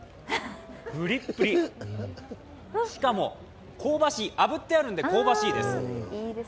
プリップリ、しかも香ばしい、炙ってあるので香ばしいです。